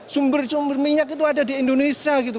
sumber sumber minyak itu ada di indonesia gitu